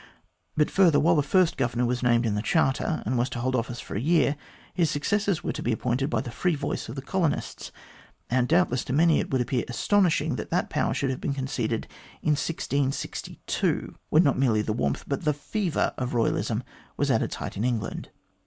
But, further, while the first Governor was named in the Charter, and was to hold office for a year, his successors were to be appointed by the free voice of the colonists ; and, doubtless, to many it would appear astonishing that that power should have been conceded in 1662, when not merely the warmth, but the fever of Eoyalism was at its height in England.